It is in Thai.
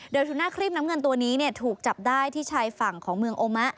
โดยสุน่าครีบน้ำเงินตัวนี้ถูกจับได้ที่ชายฝั่งของเมืองโอมะ